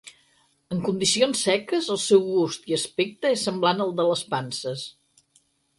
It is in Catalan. En condicions seques, el seu gust i aspecte és semblant al de les panses.